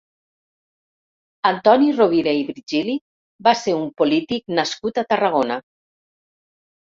Antoni Rovira i Virgili va ser un polític nascut a Tarragona.